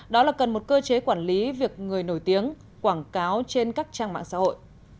đó là cần một cơ chế quản lý việc người nổi tiếng quảng cáo trên các trang mạng xã hội